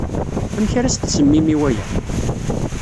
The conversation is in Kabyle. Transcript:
Amek ara as-tsemmim i waya?